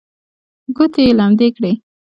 ګوتې یې لمدې کړې.